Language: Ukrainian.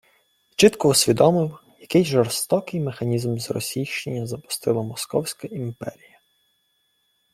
Чітко усвідомив, який жорстокий механізм зросійщення запустила Московська імперія